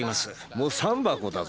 もう３箱だぞ。